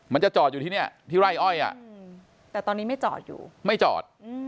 มันจะจอดอยู่ที่เนี่ยที่ไร่อ้อยแต่ตอนนี้ไม่จอดอยู่ไม่จอด